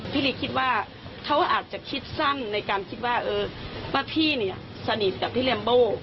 ลีคิดว่าเขาอาจจะคิดสั้นในการคิดว่าเออว่าพี่เนี่ยสนิทกับพี่แรมโบ